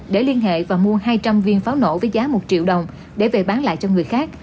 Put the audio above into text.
để liên hệ và mua hai trăm linh viên pháo nổ với giá một triệu đồng để về bán lại cho người khác